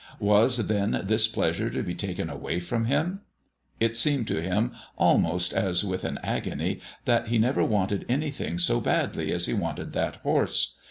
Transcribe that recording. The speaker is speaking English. Was, then, this pleasure to be taken away from him? It seemed to him, almost as with an agony, that he never wanted anything so badly as he wanted that horse.